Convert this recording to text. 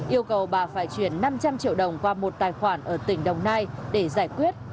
yêu cầu bà phải chuyển năm trăm linh triệu đồng qua một tài khoản ở tỉnh đồng nai để giải quyết